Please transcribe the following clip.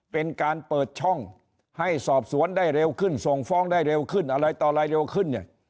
เป็นการเปิดช่องให้สอบสวนได้เร็วขึ้นส่งฟ้องได้เร็วขึ้นอะไรต่ออะไรเร็วขึ้นเนี่ย